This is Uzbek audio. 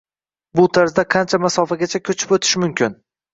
Bu tarzda qancha masofagacha ko‘chib o‘tish mumkin?